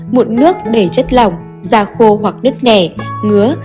mụn nước để chất lỏng da khô hoặc nứt nghè ngứa